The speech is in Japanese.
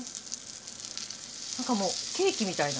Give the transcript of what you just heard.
なんかもうケーキみたいな。